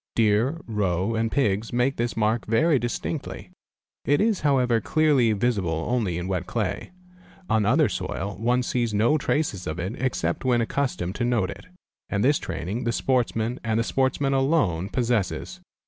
Deer, roe, and pigs make this mark very distinctly. It is however clearly visible only in wet clay. On other soil one sees no traces ol it except when accustomed to note it, and this training the sportsman, and the sportsman alone, possesses.